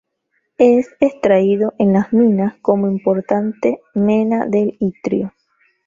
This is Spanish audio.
Es extraído en las minas como importante mena del itrio.